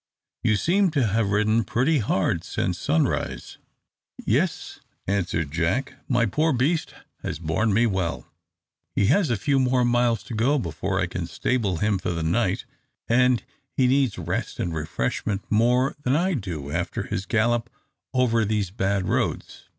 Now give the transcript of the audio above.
"You seem to have ridden pretty hard since sunrise?" "Yes," answered Jack; "my poor beast has borne me well. He has a few more miles to go before I can stable him for the night; and he needs rest and refreshment more than I do after his gallop over these bad roads."